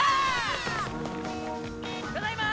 ただいま！